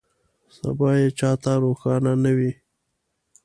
سبا یې چا ته روښانه نه وي.